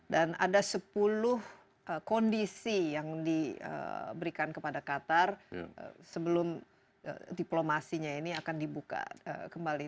dan ada sepuluh kondisi yang diberikan kepada qatar sebelum diplomasinya ini akan dibuka kembali